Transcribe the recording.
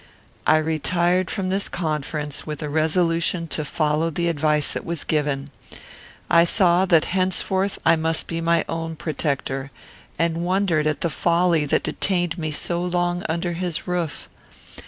I retired from this conference with a resolution to follow the advice that was given. I saw that henceforth I must be my own protector, and wondered at the folly that detained me so long under his roof.